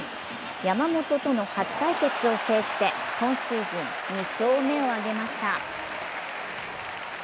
山本との初対決を制して、今シーズン２勝目を挙げました。